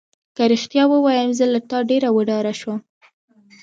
که رښتیا ووایم زه له تا ډېره وډاره شوم.